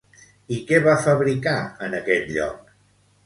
I què va fabricar en aquest lloc?